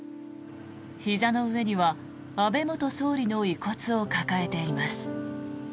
ひざの上には安倍元総理の遺骨を抱えています。